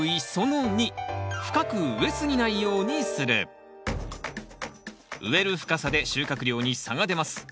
栽培の植える深さで収穫量に差が出ます。